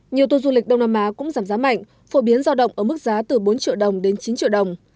nhiều tour du lịch đông nam á cũng giảm giá mạnh phổ biến giao động ở mức giá từ bốn triệu đồng đến chín triệu đồng